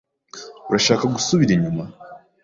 Urashaka gusubira inyuma?